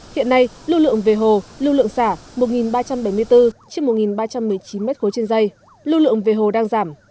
hiện nay lưu lượng về hồ lưu lượng xả một ba trăm bảy mươi bốn trên một ba trăm một mươi chín m ba trên dây lưu lượng về hồ đang giảm